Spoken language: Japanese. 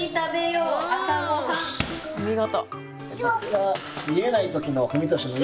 お見事。